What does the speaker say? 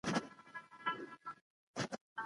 افغانان د نړیوالو مرستندویه بنسټونو کارونه نه ځنډوي.